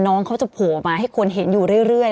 น้องเขาจะโผล่มาให้คนเห็นอยู่เรื่อย